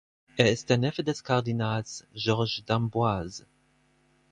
Er ist der Neffe des Kardinals Georges d’Amboise.